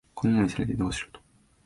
こんなの見せられてどうしろと